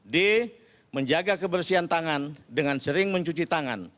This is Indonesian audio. d menjaga kebersihan tangan dengan sering mencuci tangan